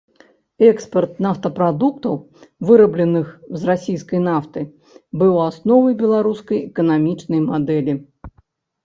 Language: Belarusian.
Экспарт нафтапрадуктаў, вырабленых з расійскай нафты, быў асновай беларускай эканамічнай мадэлі.